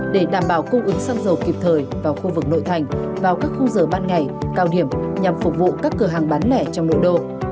để đảm bảo cung ứng xăng dầu kịp thời vào khu vực nội thành vào các khung giờ ban ngày cao điểm nhằm phục vụ các cửa hàng bán lẻ trong nội đô